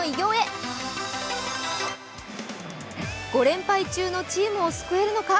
５連敗中のチームを救えるのか。